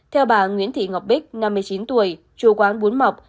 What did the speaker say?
theo bà nguyễn thị ngọc bích năm mươi chín tuổi chú quán bún mọc